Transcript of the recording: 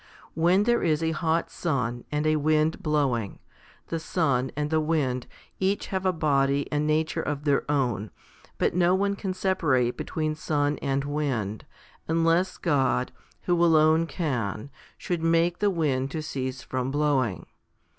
When there is a hot sun and a wind blowing, the sun and the wind each have a body and nature of their own, but no one can separate between sun and wind, unless God, who alone can, should make the wind to cease from blowing.